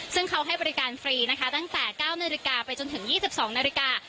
ซึ่งเขาให้บริการฟรีนะคะตั้งแต่๙นาฬิกาไปจนถึง๒๒นาฬิกา